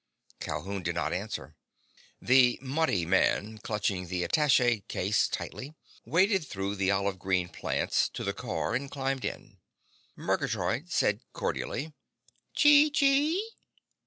Calhoun did not answer. The muddy man, clutching the attache case tightly, waded through the olive green plants to the car and climbed in. Murgatroyd said cordially, "Chee chee!"